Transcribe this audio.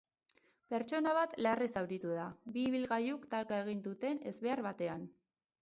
Pertsona bat larri zauritu da, bi ibilgailuk talka egin duten ezbehar batean.